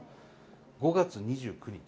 ５月２９日